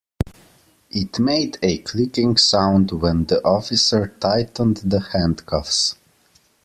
It made a clicking sound when the officer tightened the handcuffs.